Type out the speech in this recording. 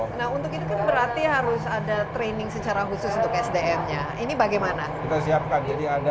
nah untuk itu kan berarti harus ada training secara khusus untuk sdm nya ini bagaimana kita siapkan